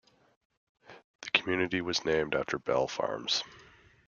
The community was named after Bell Farms.